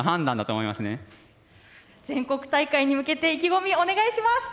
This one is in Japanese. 全国大会に向けて意気込みお願いします。